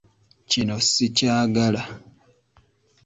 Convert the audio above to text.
Kino sikyagala.